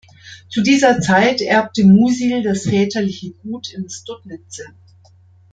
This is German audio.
Zu dieser Zeit erbte Musil das väterliche Gut in Studnice.